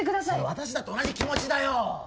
私だって同じ気持ちだよ